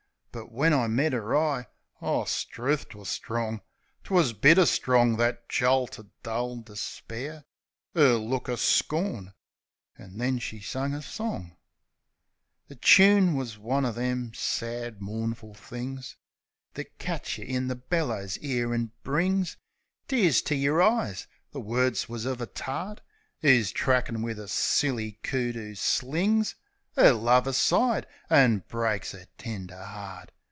But when I met 'er eye — O, 'struth, 'twas strong! 'Twas bitter strong, that jolt o' dull despair! 'Er look o' scorn! ... An' then, she sung a song. The choon was one o' them sad, mournful things That ketch yeh in the hellers 'ere, and brings Tears to yer eyes. The words was uv a tart 'Oo's trackin' wiv a silly coot 'oo slings 'Er love aside, an' breaks 'er tender 'eart.